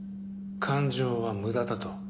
感情は無駄だと？